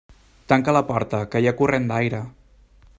Tanca la porta que hi ha corrent d'aire.